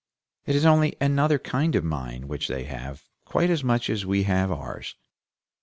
It is only another kind of mind which they have quite as much of as we have of ours.